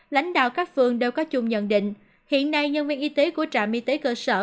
lãnh đạo các phường đều có chung nhận định hiện nay nhân viên y tế của trạm y tế cơ sở